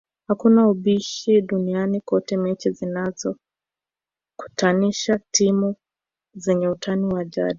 Hakuna ubishi duniani kote mechi zinazokutanisha timu zenye utani wa jadi